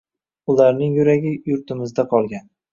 Ularning yuragi yurtimizda qolgan